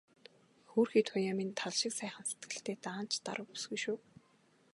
Хөөрхий Туяа минь тал шиг сайхан сэтгэлтэй, даанч даруу бүсгүй шүү.